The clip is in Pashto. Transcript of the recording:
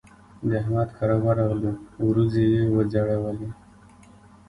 د احمد کره ورغلوو؛ وريځې يې وځړولې.